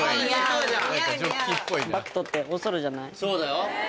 そうだよ。